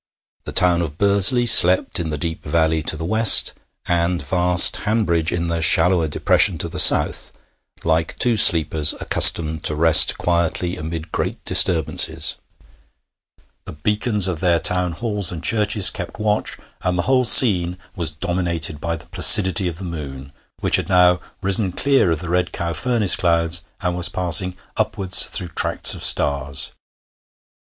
The town of Bursley slept in the deep valley to the west, and vast Hanbridge in the shallower depression to the south, like two sleepers accustomed to rest quietly amid great disturbances; the beacons of their Town Halls and churches kept watch, and the whole scene was dominated by the placidity of the moon, which had now risen clear of the Red Cow furnace clouds, and was passing upwards through tracts of stars.